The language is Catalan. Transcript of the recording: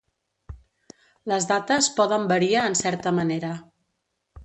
Les dates poden varia en certa manera.